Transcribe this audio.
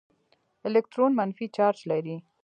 الکترون منفي چارج لري.